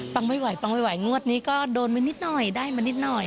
ปังไม่ไหวงวดนี้ก็โดนมานิดหน่อยได้มานิดหน่อย